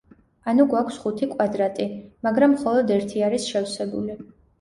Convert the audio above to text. ანუ, გვაქვს ხუთი კვადრატი, მაგრამ მხოლოდ ერთი არის შევსებული.